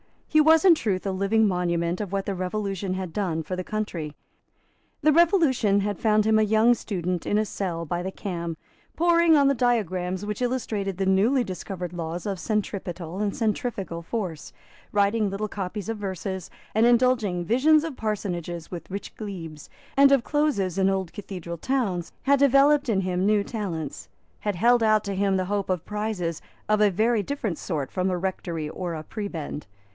He was in truth a living monument of what the Revolution had done for the Country. The Revolution had found him a young student in a cell by the Cam, poring on the diagrams which illustrated the newly discovered laws of centripetal and centrifugal force, writing little copies of verses, and indulging visions of parsonages with rich glebes, and of closes in old cathedral towns had developed in him new talents; had held out to him the hope of prizes of a very different sort from a rectory or a prebend.